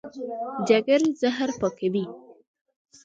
جګر زهر پاکوي.